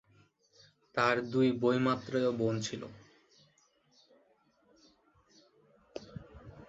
তাঁর দুই বৈমাত্রেয় বোন ছিল।